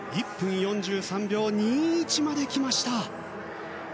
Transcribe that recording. １分４３秒２１まできました。